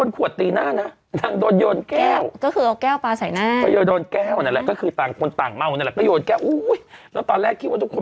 พี่มากปีหน้าละมั้งต้องให้เกียจคู่ติก่อน